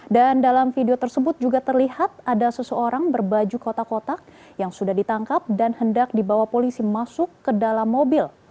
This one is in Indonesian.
dan dalam video tersebut juga terlihat ada seseorang berbaju kotak kotak yang sudah ditangkap dan hendak dibawa polisi masuk ke dalam mobil